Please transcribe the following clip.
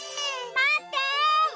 まって！